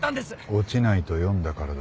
落ちないと読んだからだ。